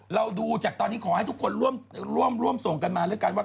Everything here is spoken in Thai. เราดูจากตอนนี้ขอให้ทุกคนร่วมส่งกันมาแล้วกันว่า